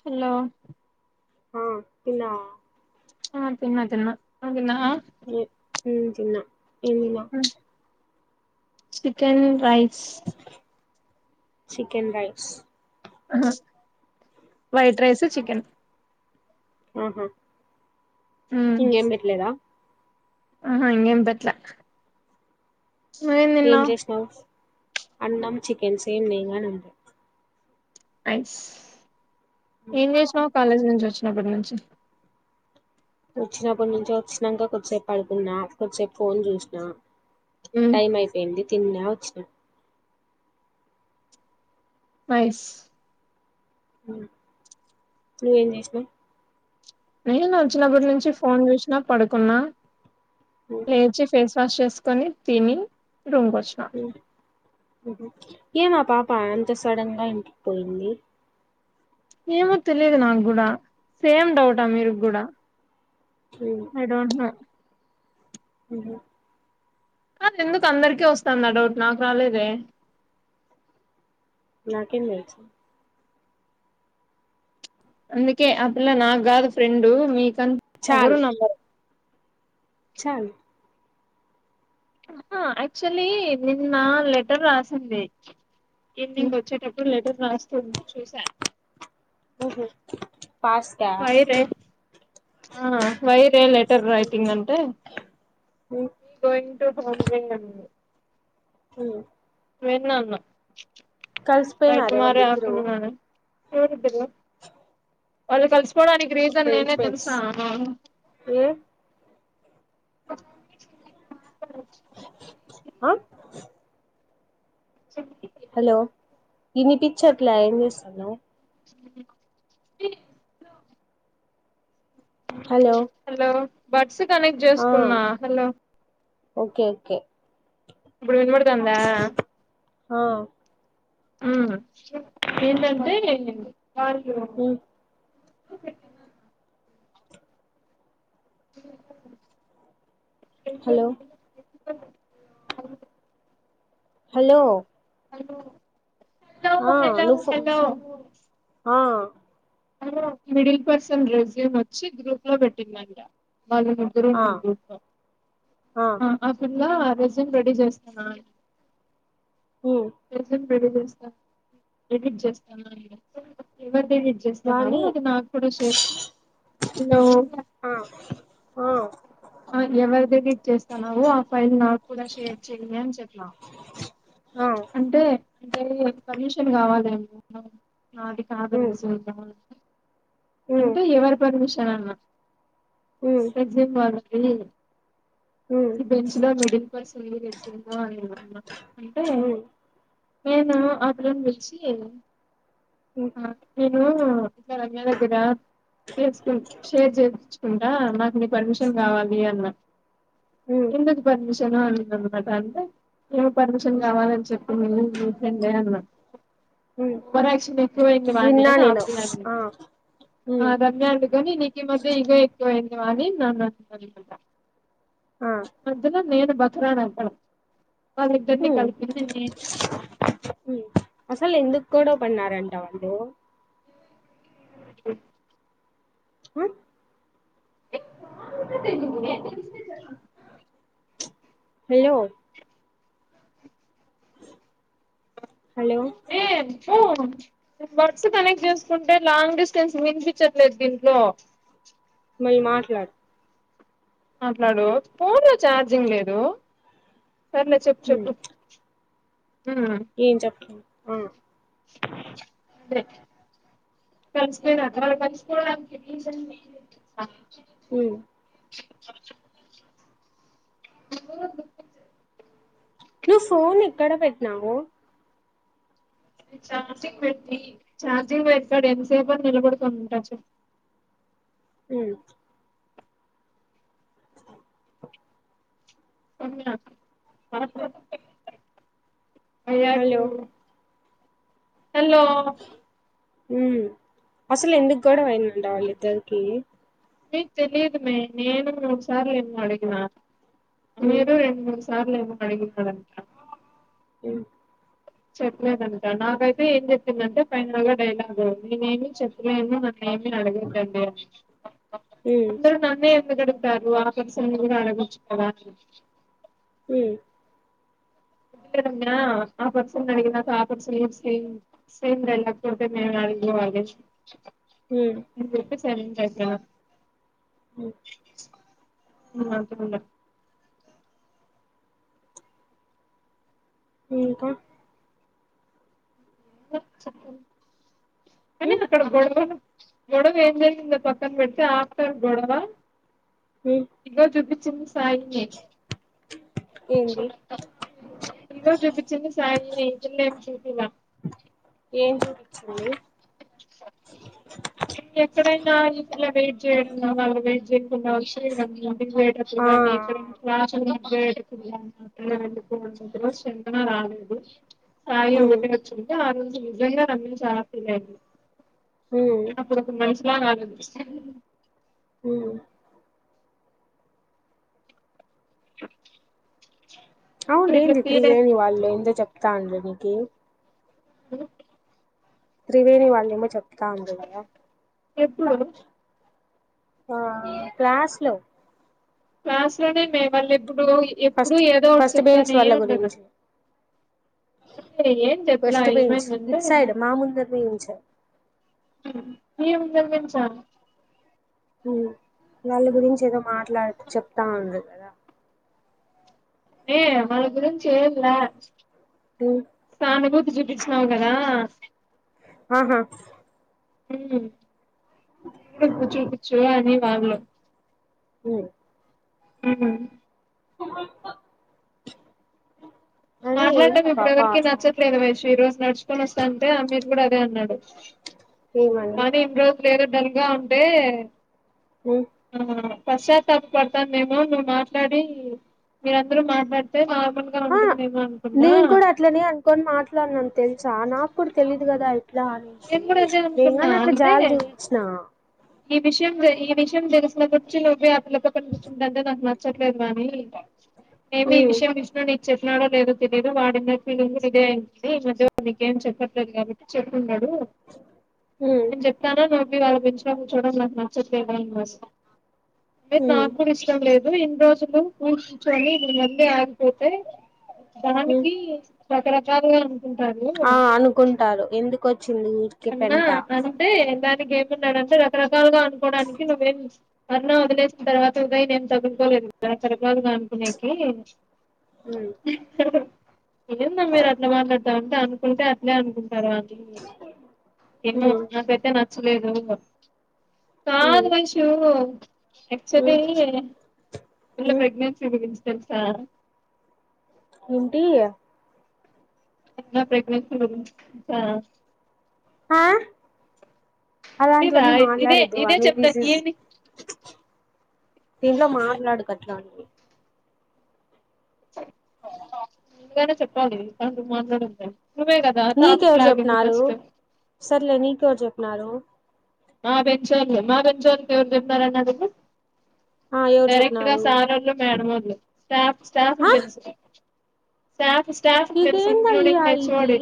Hello ఆ తిన్నవ్ ఆ తిన్న తిన్న నువు తిన్నవ? ఏ మ్ తిన్న ఏం తిన్న చికెన్ రైస్ చికెన్ రైస్ అహ వైట్ రైస్ చికెన్ ఆహ ఇంగెం పెట్లేదా ఆహ ఇంగెం పెట్లే ఏం చేసినవు అన్నం చికెన్ సేమ్ నేంగనే అంతే ఐస్ ఏం చేసినవ్ కాలేజ్ నుంచి వచ్చినప్పటి నుంచి వచ్చినప్పటి నుంచి వచ్చినంక కొద్దిసేపు పడుకున్నా కొద్దిసేపు ఫోన్ చూసిన ఉమ్ టైం అయిపోయింది తిన్నా వచ్చినా నైస్ నువ్వేం చేసినవ్ నేను వచ్చినప్పటి నుంచి ఫోన్ చూసిన పడుకున్నా లేచి ఫేస్ వాష్ చేసుకొని తిని రూమ్ కి వచ్చిన ఉమ్ ఉహు ఏమ్ మా పాప అంత సడన్ గా ఇంటికి పోయింది ఏమో తెలిదు నా గూడ సేమ్ డౌటా అమీర్ ఉహు, గూడా ఉమ్, ఐ డోంట్ నో ఉహు కద్ ఎందుకు అందరికీ వస్తాంది ఆ డౌట్ నాకు రాలేదే నాకేం తెలుసు అందుకే అ పిల్ల నాకు కాదు ఫ్రెండు మీకం ఒకరు నమ్మరు చాల్ ఆహా యాక్చుల్లీ నిన్న లెటర్ రాసింది ఉమ్, ఈవినింగ్ వచ్చేటప్పుడు లెటర్ రాస్తుంది చూసా ఉహు పాస్కా వైరే ఆ వైరే లెటర్ రైటింగ్ అంటే ఉమ్, గోయింగ్ టు హోమ్ రే అన్నది ఆ వెన్ అన్నా బై కలిసిపోయినారే టుమారో వాళ్ళిద్దరు ఆఫ్టర్నూన్ అనది వాళ్ళు కలుసుకోవడానికి రీజన్ బెంచ్ నేనే మేట్స్ తెలుసా [inaudible] ఏ అ హలో ఇని పిచ్చట్ల ఏం చేస్తున్నవు హలో హలో బట్స్ కనెక్ట్ ఆ చేసుకున్నా హలో ఓకే ఓకే ఇప్పుడు వినబడుదందా ఆ ఆ ఏంటంటే ఉ హలో హలో హలో ఆ హలో హలో నువ్వు హలో ఆ మిడిల్ పర్సన్ రెస్యూమ్ వచ్చి గ్రూప్ లో పెట్టిందంట వాళ్ళ ముగ్గురు ఆ ఉన్నారు గ్రూప్ లో ఆ ఇలా రెస్యూమ్ రెడీ చేస్తున్నా అని ఉ ఎడిట్ చేస్తావ ఎడిట్ చేస్తావని అడిగాను న్నావు వాణి అది నాకు కూడా షేర్ చెయ్యి హ ఆ ఎవరిది ఎడిట్ చేస్తాన్నవో ఆ ఫైల్ నాకు కూడా షేర్ చెయ్యి అని చెప్ప ఆ అంటే అ పర్మిషన్ కావాలేమో ఉ ఉ ఉ అంటే ఎవరి పర్మిషన్ అన్న ఉ ఉ రెస్యూమ్ వాళ్ళకి ఈ బెంచ్లో మిడిల్ పర్సన్ సినిమా అని అంటే ఉ నేను ఆ పిల్లని పిల్చి ఉ ను రమ్య దగ్గర చేసుకు షేర్ చెప్పిచ్చుకుంటా నాకు పర్మిషన్ కావాలి అన్న ఉ ఎందుకు పర్మిషన్ అన్నింది అన్నమాట అంటే ఏమి పర్మిషన్ కావాలని చెప్ ఎందుకు నీ ఫ్రండే అన్నా ఉ ఓవర్ యాక్షన్ ఎక్కువైంది వాన్ని విన్నా అని నేను ఆపిల్ల ఆ అన్నింది ఉ ఆ రమ్య ఉండుకొని నీకి ఈ మధ్య ఇగో ఎక్కువై వాణి నన్ను అన్నింది అన్నమాట ఆ మధ్యలో నేన్ బకరాని అయిపోయిన వాళ్లిదరిని ఉ కలిపింది నేన్ అసలు ఎందుకు గొడవ పన్నారంటా వాళ్ళు అహ్ హలో హలో ఓ బడ్స్ కనెక్ట్ చేసుకుంటే లాంగ్ డిస్టెన్స్ వినిపిచట్లేదు దీంట్లో మళ్లి మాట్లాడు ఫోన్ లో ఛార్జింగ్ లేదు సర్లే చెప్పు చెప్పు ఉమ్ ఎం చెప్పను ఆ కలిసిపోయారు వాళ్లు కలిసిపోవడానికి రీసన్ నేనే ఉమ్ నువ్ ఫోన్ ఎక్కడ పెట్టినావు ఛార్జింగ్ పెట్టి ఛార్జింగ్ పెట్టినప్పుడు ఎంసేపని నిలబడుకొని ఉంటా చెప్పు ఉమ్ హలో [inaudible] హలో ఉమ్ అసలు ఎందుకు గొడవ అయిందట వాళ్ళ ఇద్దరికి మే తెలిదు మే నేను ఒకసారేమో అడిగిన ఉమ్ మీరు రెండు మూడ్ స సార్లేమో అడిగినావంట ఉమ్ చెప్లేదంట నాకైతే ఏం చెప్పిందంటే ఫైనల్గ డైలాగ్ నేనేమి చెప్లేను నాక్ ఏమి అడగొద్దండి ఉమ్ అందర్ నన్నే ఎందుకు అడుగుతారు ఆ పర్సన్ని కూడా అడగొచ్చు కదా ఉమ్ నా ఆ పర్సన్ని అడిగినాకా ఆ పర్సన్ కూడా సేమ్ సేమ్ డైలాగ్ గొడ్తే మే ఏడిక్ పోవాలె ఉమ్ [unintelligible] ఉహ్ మ్ అంతే ఉండ ఇంక కని ఉమ్ అక్కడ గొడవ గొడవ ఎం జరిగిందో పక్కన పెడ్తే ఆఫ్టర్ ఆల్ గొడవ ఉమ్ ఇగ్నోర్ చూపించింది సాయి నే ఏంది ఇందాక చూపించింది సాయి నే ఈ పిల్లెం చూపిలా ఏం చూపించావ్ మరీ సరే మ్ ఇక ఎక్కడైనా ఇలా వెయిట్ చేయడం నా వాళ్ళ వెయిట్ చేయకుండా వస్తే ఆ [unintelligible] ఇక్కడేంటి క్లాసు వెయిట్ చేసిన చందన రాలేదు. సాయి ఉమ్ ఉండొద్దు అన్ ఒచ్చి ఉంటే ఆ రోజు నిజంగా నందిని చాలా ఫిల్ అయింది. మ్ అప్పుడు ఒక మనిషిలా ఆలోచిస్తే ఉమ్ అవును ఇప్పుడు ఇట్లా ఏంది ఫీల్ అయి త్రివేణి వాళ్ళు ఏందో చెప్తా అన్నార్ నీకీ అ త్రివేణి వాళ్ళేమో చెప్తాన్నార్ గదా ఎప్పుడు? ఆ క్లాస్లో క్లాస్లో నేన్ మే వల్లెప్పుడో ఎప్పుడు ఫస్ట్ ఏదో ఒకటి ఫస్ట్ బెంచ్ చెప్తానే వాళ్ళ ఉన్నరు. గురించి ఏం చెప్పలా ఫస్ట్ బెంచ్ ఏమైందటే ఇట్ మ్ సైడ్ మా ముందర బెంచ్ మీరు ముందల్ నుంచా మ్ వాళ్ళ గురించి ఏదో మాట్లాడ్ చెప్తా ఉన్నార్ కదా ఏ వాళ్ళ గురించ్ ఏం లా ఫ్యాను చూపిచినాం కదా ఆహా! మ్ నీకు చూపిచ్చు అని వాళ్ళు మ్ సుమక్క. మాట్లాడం ఇప్పుడ్ ఎవరికి నచ్చట్లేదు వైషూ ఈ రోజు నడుచుకొన్ వస్ స్తంటే అమీర్ కూడా అదే అన్నాడు. ఏమని? లేరు డల్గ ఉంటే ఆ పశ్చాతాప్ పడ్తానేమో నువ్వు మాట్లాడి మీ అందరు మాట్లాడ్తే మా ముల్గ ఉంటుందేమో అన్ నేన్ కూడ అట్లనే అన్కొన్ మాట్లాడ్నాన్ తెల్సా నాక్ కూడా తెలీదు కదా ఇట్లా అని నేన్ గుడా అదే అనుకున్నా అంటే ఈ విషయం ఈ విషయం తెల్స్ మరొచ్చే లోపే ఆ పిల్ల పక్కన్ కూర్చుంటంటే నాక్ నచ్చట్లేదు గానీ ఏమి ఈ ఉమ్ విషయం విష్ణుని చెప్పినవా లేదో తెలియదు వాడి మీద ఫీలింగ్ ఇదే అయింది ఈ మధ్య వాడు నీకేం చెప్పట్లేదు కాబట్టి చెప్పున్నాడు. మ్ ఉమ్ నేన్ చెప్తానే ఉన్న మీర్ అలా నిల్చోన్ నిల్చోడం నాక్ నచ్చట్లేద్ అన్ ఉమ్ నాక్ గుడ ఇష్టం లేదు. లు ఇన్ని రోజులు [unintelligible] ఉమ్ దానికి రకరకాలుగా ఆ అనుకుంటారు అనుకుంటారు ఎందుక్ ఆ అన్నా అంటే దానికి ఏం అన్నాడంటే రకరకాలుగా అనుకోడానికి నువ్వేం అన్నా వదిలేసిన్ తర్వాత ఉదయ్ నేను తగులుకోలేదు కదా రకరకాలుగా అనుకునేకి మ్ ఏంది మీరు అట్లా మాట్లాడతామంటే అనుకుంటే అట్లే అనుకుంటారు వాళ్లు ఏమో ఉమ్ నాకైతే నచ్చలేదు ఉమ్ కాదు వైషూ ఉమ్ యాక్టుల్ల్య్ మళ్ళ ఉమ్ ప్రెగ్నెన్సీ గురించి తెల్సా ఏంటీ? ఎన్నో ప్రెగ్నెన్సి [unintelligible] ఆ తెలీదా అలాంటివన్నీ ఇదే మాట్లాడొద్దు ఇదే అని చెప్దా దిస్ ఇజ్ ఏంది దీంట్లో మాట్లాడకు అట్లాంటియి ముందుగానే చెప్పాలి తనతో మాట్లాడొద్దని నీకెవరు జెప్పినారు సర్లే నీకెవరు జెప్పినారు మా బెంచీర్లు మా బెంచీర్లు ఎవరు చెప్పినారు అని అడుగు ఆ ఎవరు డైరెక్ట్ గా చెప్పినారు సారొళ్ళు మేడమొళ్ళు స్టాఫ్ స్టాఫ్ ఆ తెల్సు స్టాఫ్ స్టాఫ్క్ దెల్సు ఇదేందయ్యా ఇంక్లూడింగ్ ఇది హెచ్ఓడి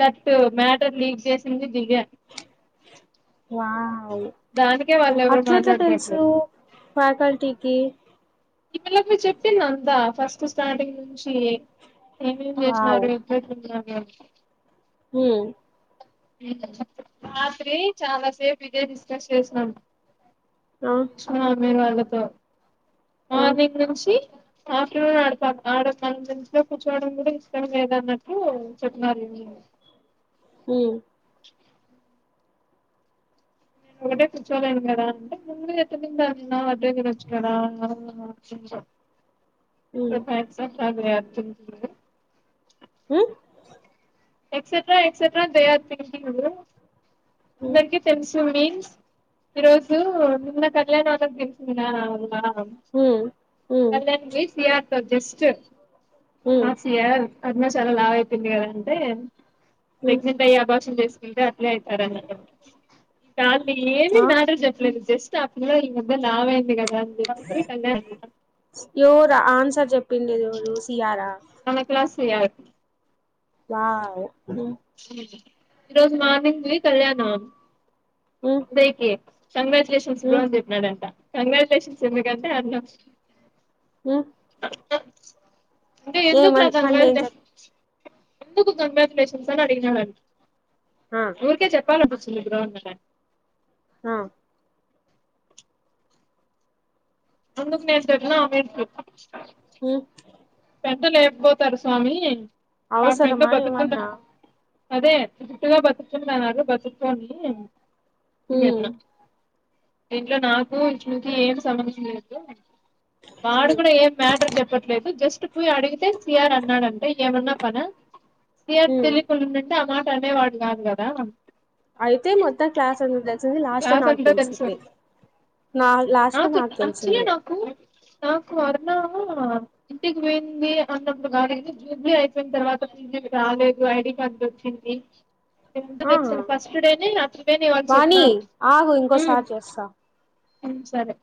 దట్టు మ్యాటర్ లీక్ జేసింది దివ్య వావ్ వు దానికే వాళ్ళు ఎవరు అట్లేట్ల తెల్సు మాట్లాడుకోవట్లేదు ఫ్యాకల్టీకి ఈ పిలక్ మీ చెప్పింది అంతా ఫస్ట్ స్టార్టింగ్ నుంచి ఏమేం జెశినారు ఇపుడు ఉన్నారు అంత హు రాత్రి చాలాసేపు ఇదే డిస్కస్ చేశినాము ఆ ఆ మీ వాళ్ళతో ఆ మార్నింగ్ నుంచి ఆఫ్టర్నూన్ ఆడ తన బెంచ్ లో కూర్చోడం కూడా ఇష్టం లేదన్నట్టు చెప్నార్ హుం నేనొకటే కూర్చోలేను కదా అంటే ముందు ఎంత మీంద అన్నా అద్దే తినొచ్చు గదా అన్నారు నేన్ వస్తుంటే ఉమ్ రేపు ఎక్సక్ట్ రా ఎక్సమ్ కు హ్మ్ ఎక్సెట్రా ఎక్సెట్రా థెయ్ అరే ఫినిషింగు ఉమ్ అందర్కి తెన్సు టో మీన్స్ ఈరోజు నిన్న కళ్యాణ్ వాలక్ దెల్సిందే ఆలా హ్మ్ హ్మ్ కళ్యాణ్ కి సిఆర్ జస్ట్ హ్మ్ నాట్ సిఆర్ అరుణ చాలా లావైపేయింది గదా అంటే హ్మ్ ప్రెగ్నెంట్ అయ్యి అభాషన్ జెస్కుంటే ఇగైతరానట్టు కానీ ఏమి ఆ మ్యాటర్ జెప్పలేదు జస్ట్ ఆ పిల్లోడు ముందే లావైంది గదా [unintelligible] ఎవరు ఆన్సర్ జెప్పిందిదెవరు ఎవరూ సీయరా సీఆర్ వావ్ ఉహు ఈ రోజు మార్నింగ్ ది కళ్యాణం హ్మ్ రేకె కంగ్రాచ్చులేషన్స్ బ్రో హ్మ్ అని చెప్పినడంట కంగ్రాచులేషన్స్ ఎందుకంటే అరుణ ఉ అంటే ఎందుకు రా చెప్ కంగ్రాచులేషన్ ఎందుకు కంగ్రాచులేషన్స్ అని అడిగినాండంట ఆ ఊర్కే చెప్పాలనిపిచింది బ్రో అని అన్నాడంట ఆ అందుకు నేందిన్నా అమినికి హు ఎంట లేకపోతరు స్వామి ఆమెంద అవసరమా బతుకలు ఏమన్నా అదే గుట్టుగా బతుకుంటున్నారు వాళ్ళు బత్తుకొని హుమ్ ఇంట్లో నాకు విష్ణు కి ఏం సంబంధించింది లేదు వాడు హ్మ్ కూడా ఏం మ్యాటర్ జెప్పట్లేదు జస్ట్ పొయ్ అడిగితే సిఆర్ అన్నాడంటే ఏమన్నా పనా సిఆర్ హ్మ్ తెలియకుండుంటే అంటే ఆ మాట అనేవాడు కాదు కదా అ అయితే మొత్తం క్లాస్ అందరికి లాస్ట్ లో క్లాస్ నాకు అంతా తెలుసు తెలిసింది నా లాస్ట్ లో నాకు యాక్చువల్లీ తెలిసింది నాకు నాకు అరుణ ఇంటికి పోయింది అన్నప్పుడు గాని ఇది జూబ్లీ అయిపోయిన తర్వాత రాలేదు ఐడి కార్డు వచ్చింది ఇంటర్ ఆ దేనా ఫస్ట్ డేనే ఆన్ ప్రిపేర్ చేయమని వాణి చెప్పినారు ఆగు ఇంకోసారి చేస్తా ఉమ్ సరే